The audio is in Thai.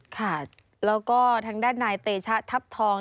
ค่ะแล้วก็ทางด้านนายเตชะทัพทอง